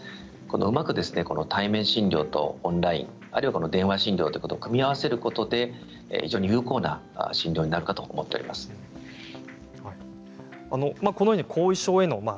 うまく対面診療とオンラインあるいは電話診療ということを組み合わせることで有効な診療になるかと思っています。